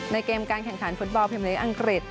ในเกมการแข่งขันฟุตบอลภิมิติอังกฤษ